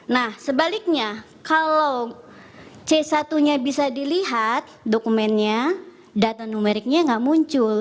nah sebaliknya kalau c satu nya bisa dilihat dokumennya data numeriknya nggak muncul